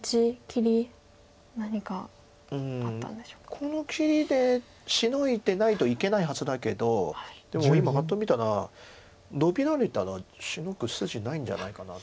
この切りでシノいでないといけないはずだけどでも今パッと見たらノビられたらシノぐ筋ないんじゃないかなと。